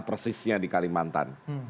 persisnya di kalimantan